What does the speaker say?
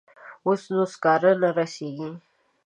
اوس نو سکاره نه رسیږي.